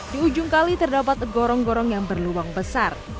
di ujung kali terdapat gorong gorong yang berlubang besar